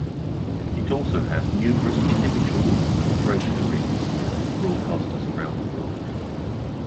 It also has numerous individual cooperation agreements with broadcasters around the world.